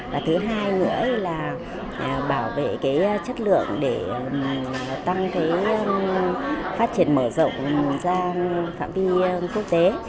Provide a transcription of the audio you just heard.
và thứ hai nữa là bảo vệ chất lượng để tăng phát triển mở rộng ra phạm vi quốc tế